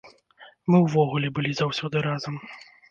Мы ўвогуле былі заўсёды разам.